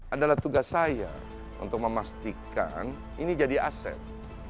adalah tugas saya untuk memastikan ini jadi aset